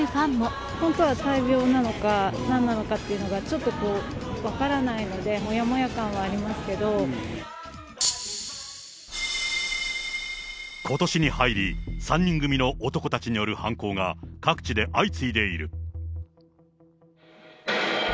本当は大病なのかなんなのかっていうのが、ちょっと分からないので、ことしに入り、３人組の男たちによる犯行が各地で相次いでいる。